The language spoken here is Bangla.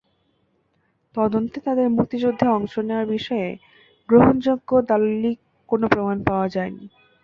তদন্তে তাঁদের মুক্তিযুদ্ধে অংশ নেওয়ার বিষয়ে গ্রহণযোগ্য দালিলিক কোনো প্রমাণ পাওয়া যায়নি।